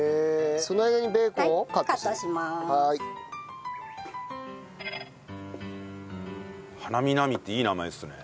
その間にベーコンをカットする。